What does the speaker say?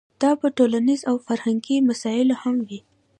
دا په ټولنیزو او فرهنګي مسایلو هم وي.